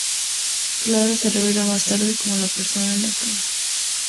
Clara se revela más tarde como la persona en la cama.